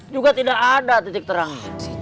juga tidak ada titik terang